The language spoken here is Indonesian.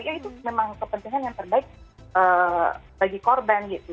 ya itu memang kepentingan yang terbaik bagi korban gitu